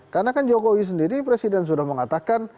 karena kan jokowi sendiri presiden sudah mengatakan